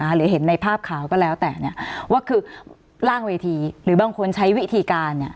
หรือเห็นในภาพข่าวก็แล้วแต่เนี่ยว่าคือล่างเวทีหรือบางคนใช้วิธีการเนี่ย